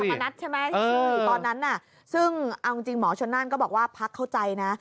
เราอยู่ทำมานัดใช่ไหมตอนนั้นซึ่งเอาจริงหมอชนานก็บอกว่าภาคเข้าใจนะ